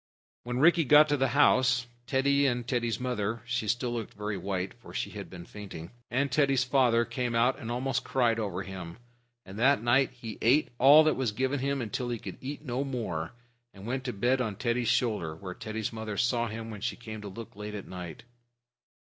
When Rikki got to the house, Teddy and Teddy's mother (she looked very white still, for she had been fainting) and Teddy's father came out and almost cried over him; and that night he ate all that was given him till he could eat no more, and went to bed on Teddy's shoulder, where Teddy's mother saw him when she came to look late at night.